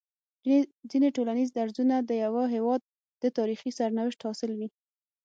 ځيني ټولنيز درځونه د يوه هيواد د تاريخي سرنوشت حاصل وي